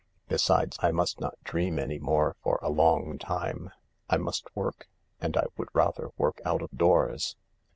Besides, I must not dream any more for a long time. I must work. And I would rather work out of doors."